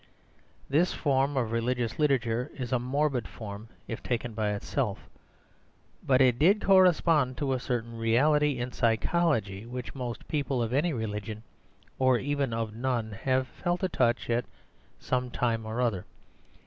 This form of religious literature is a morbid form if taken by itself; but it did correspond to a certain reality in psychology which most people of any religion, or even of none, have felt a touch of at some time or other.